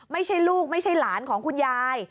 ไม่ใช่ลูกไม่ใช่หลานของคุณยาย